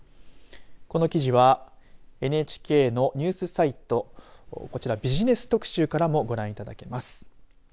この記事はＮＨＫのニュースサイトこちら、ビジネス特集からもご覧いただけます。